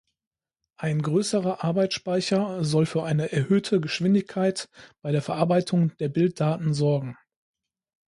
Ein größerer Arbeitsspeicher soll für eine erhöhte Geschwindigkeit bei der Verarbeitung der Bilddaten sorgen.